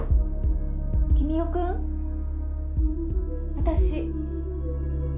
・私。